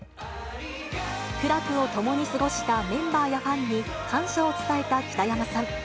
苦楽を共に過ごしたメンバーやファンに感謝を伝えた北山さん。